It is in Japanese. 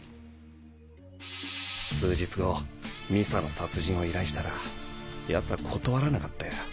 数日後美佐の殺人を依頼したら奴は断らなかったよ。